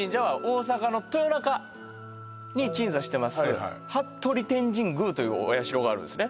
はい服部天神宮というお社があるんですね